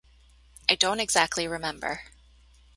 I don’t exactly remember.